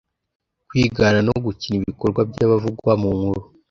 -kwigana no gukina ibikorwa by’abavugwa mu nkuru ;